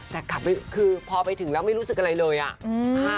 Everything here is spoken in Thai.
แต่กลับคือพอไปถึงแล้วไม่รู้สึกอะไรเลยอ่ะ